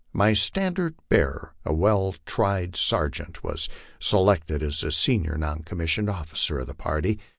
My standard bearer, a well tried sergeant, was selected as the senior non commissioned officer of the party.